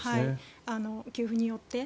給付によって。